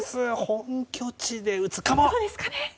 本拠地で打つかも！